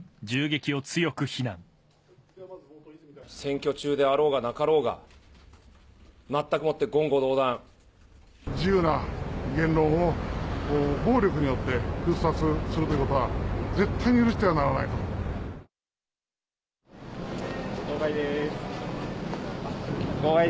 選挙中であろうがなかろうが、自由な言論を暴力によって封殺するということは、絶対に許してはならない。